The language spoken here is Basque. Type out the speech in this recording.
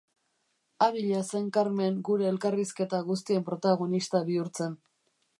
Abila zen Carmen gure elkarrizketa guztien protagonista bihurtzen.